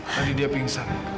tadi dia pingsan